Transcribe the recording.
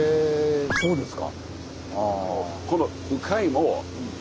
そうですか。